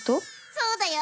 そうだよ。